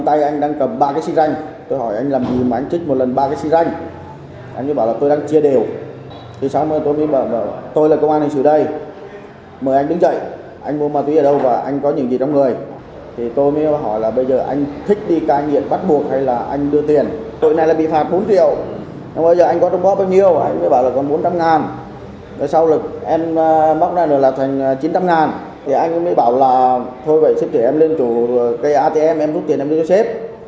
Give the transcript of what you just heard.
thì anh mới bảo là thôi vậy sếp trở em lên chủ cây atm em rút tiền em đi cho sếp